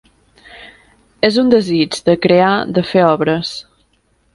És un desig, de crear, de fer obres